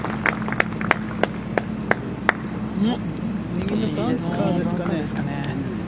右のバンカーですかね。